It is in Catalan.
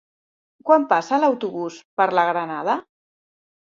Quan passa l'autobús per la Granada?